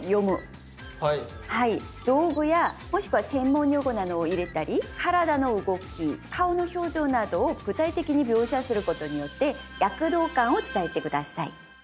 道具やもしくは専門用語などを入れたり体の動き顔の表情などを具体的に描写することによって躍動感を伝えて下さい。